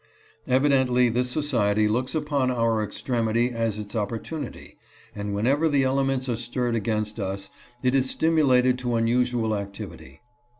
Evidently this society looks upon our extremity as its opportunity, and whenever the elements are stirred against us it is stimulated to unusual activity.